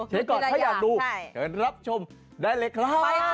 เช็คก่อนถ้าอยากดูเชิญรับชมได้เลยครับ